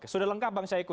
sudah lengkap bang syaiqo